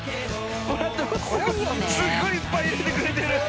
すごいいっぱい入れてくれてる。